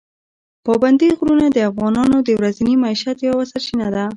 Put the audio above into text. پابندي غرونه د افغانانو د ورځني معیشت یوه سرچینه ده.